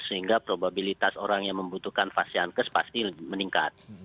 sehingga probabilitas orang yang membutuhkan fasiankes pasti meningkat